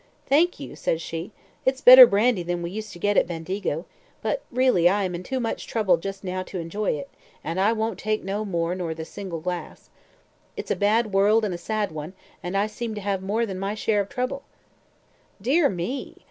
"Thank you," said she; "it's better brandy than we used to get at Bendigo, but really I am in too much trouble just now to enjoy it, and I won't take no more nor the single glass. It's a bad world and a sad one, and I seem to have more than my share of trouble." "Dear me!